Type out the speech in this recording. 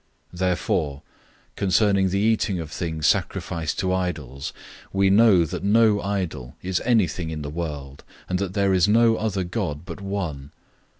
008:004 Therefore concerning the eating of things sacrificed to idols, we know that no idol is anything in the world, and that there is no other God but one.